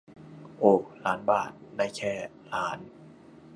โอ ล้านบาท ได้แค่ ล้าน